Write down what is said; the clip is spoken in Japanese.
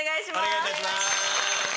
お願いいたします。